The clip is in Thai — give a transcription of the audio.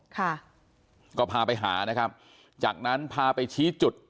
ค่ะก็พาไปหานะครับจากนั้นพาไปชี้จุด